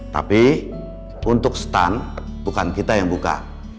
tapi untuk stun bukan kita yang buka